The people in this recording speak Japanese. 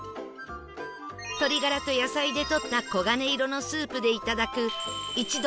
鶏ガラと野菜で取った黄金色のスープで頂く一同